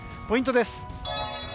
ポイントです。